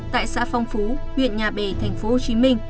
tại xã phong phú huyện nhà bè tp hcm